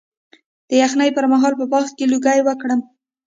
د یخنۍ پر مهال په باغ کې لوګی وکړم؟